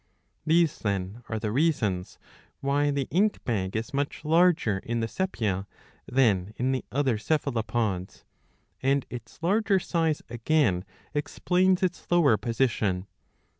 '^ These then are the reasons why the ink bag is much larger in the sepia than in the other Cephalopods; and its larger size again explains its lower position.